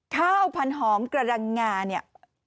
ข้าวพันหอมกระดังงาเนี่ย